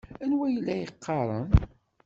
Anwa ay la yeqqaren?